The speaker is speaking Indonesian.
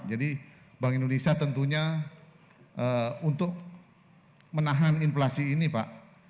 jadi bank indonesia tentunya untuk menahan inflasi ini pak